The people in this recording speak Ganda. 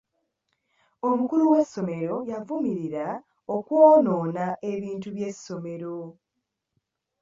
Omukulu w'essomero yavumirira okwonoona ebintu by'essomero.